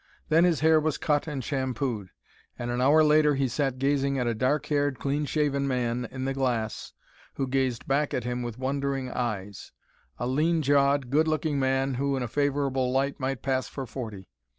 Then his hair was cut and shampooed; and an hour later he sat gazing at a dark haired, clean shaven man in the glass who gazed back at him with wondering eyes—a lean jawed, good looking man, who, in a favourable light, might pass for forty.